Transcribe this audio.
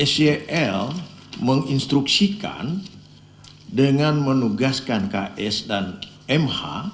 sel menginstruksikan dengan menugaskan ks dan mh